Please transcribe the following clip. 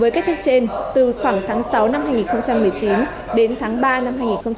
với cách thức trên từ khoảng tháng sáu năm hai nghìn một mươi chín đến tháng ba năm hai nghìn hai mươi